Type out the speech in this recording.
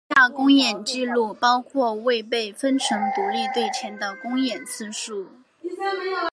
以下公演记录包括未被分成独立队前的公演次数。